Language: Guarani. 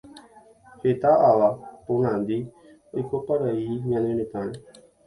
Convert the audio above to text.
Heta ava ponandi oikoparei ñane retãre.